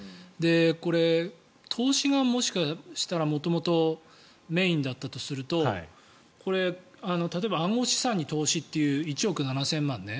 これ、投資がもしかしたら元々、メインだったとすると例えば暗号資産に投資という１億７０００万円ね。